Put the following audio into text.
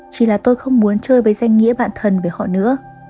chỉ là tôi không muốn chơi với danh nghĩa bản thân với họ nữa